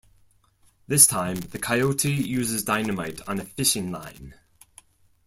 This time, the Coyote uses dynamite on a fishing line.